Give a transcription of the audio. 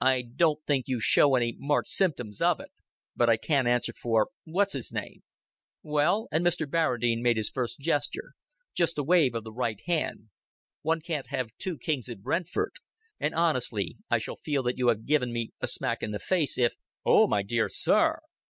"I don't think you show any marked symptoms of it. But I can't answer for what's his name." "Well;" and Mr. Barradine made his first gesture just a wave of the right hand. "One can't have two kings at Brentford. And honestly I shall feel that you have given me a smack in the face, if " "Oh, my dear sir!"